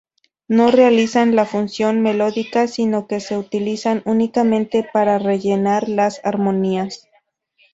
No realizan la función melódica sino que se utilizan únicamente para rellenar las armonías.